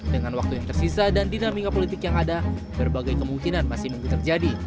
dengan waktu yang tersisa dan dinamika politik yang ada berbagai kemungkinan masih minggu terjadi